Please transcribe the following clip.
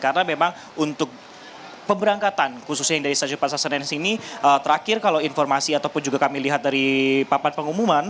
karena memang untuk pemberangkatan khususnya yang dari stasiun pasar senin ini terakhir kalau informasi ataupun juga kami lihat dari papan pengumuman